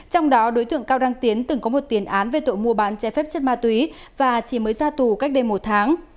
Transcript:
trong đó đối tượng cao đăng tiến từng có một tiền án về tội mua bán che phép chất ma túy và chỉ mới ra tù cách đây một tháng